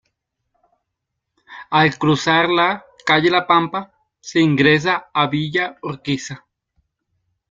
Al cruzar la "calle La Pampa" se ingresa a Villa Urquiza.